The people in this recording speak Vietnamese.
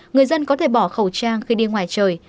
người dân có thể bỏ khẩu trang khi đi ngoài trời